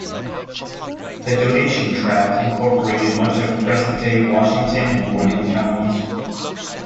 The Donation Tract incorporated much of present-day Washington and Morgan counties.